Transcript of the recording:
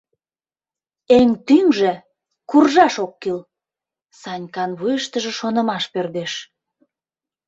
Эн тӱҥжӧ, куржаш ок кӱл» — Санькан вуйыштыжо шонымаш пӧрдеш.